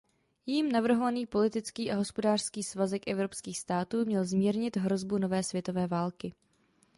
Jím navrhovaný politický a hospodářský svazek evropských států měl zmírnit hrozbu nové světové války.